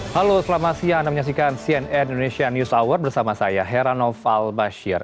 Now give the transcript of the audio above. halo selamat siang anda menyaksikan cnn indonesia news hour bersama saya heranoval bashir